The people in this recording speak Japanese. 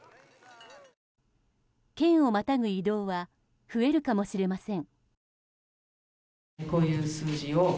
県をまたぐ移動は増えるかもしれません。